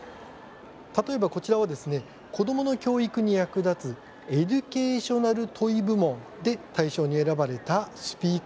例えば、こちらは子どもの教育に役立つエデュケーショナル・トイ部門で大賞に選ばれたスピーカーです。